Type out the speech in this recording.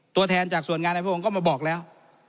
ตัวแทนจากส่วนงานในพระองค์ก็มาบอกแล้ว